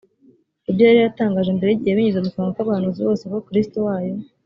ibyo yari yaratangaje mbere y igihe binyuze mu kanwa k abahanuzi bose ko kristo wayo